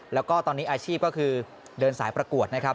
แล้วก็ตอนนี้อาชีพก็คือเดินสายประกวดนะครับ